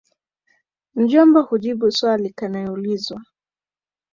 Mjomba kajibu swali kanlyoulizwa